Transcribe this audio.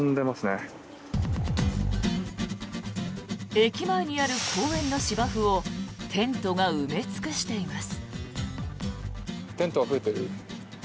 駅前にある公園の芝生をテントが埋め尽くしています。